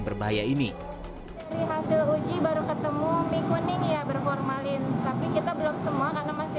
berbahaya ini dari hasil uji baru ketemu mikun ini ya berformalin tapi kita belum semua karena masih